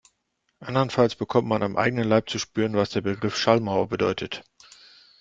Andernfalls bekommt man am eigenen Leib zu spüren, was der Begriff Schallmauer bedeutet.